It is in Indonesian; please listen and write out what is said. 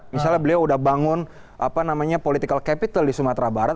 misalnya beliau udah bangun political capital di sumatera barat